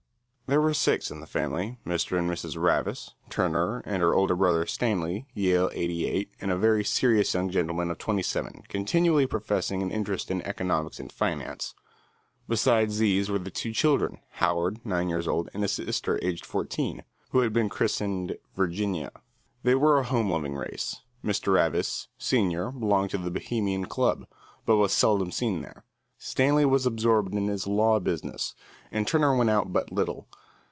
There were six in the family, Mr. and Mrs. Ravis, Turner, and her older brother, Stanley, Yale '88, a very serious young gentleman of twenty seven, continually professing an interest in economics and finance. Besides these were the two children, Howard, nine years old, and his sister, aged fourteen, who had been christened Virginia. They were a home loving race. Mr. Ravis, senior, belonged to the Bohemian Club, but was seldom seen there. Stanley was absorbed in his law business, and Turner went out but little.